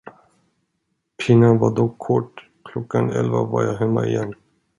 Pinan var dock kort, klockan elva var jag hemma igen.